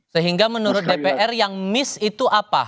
sehingga menurut dpr yang miss itu apa